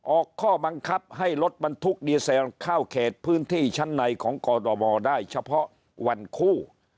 ออกข้อบังคับให้รถบรรทุกดีเซลเข้าเขตพื้นที่ชั้นในของกรตบได้เฉพาะวันคู่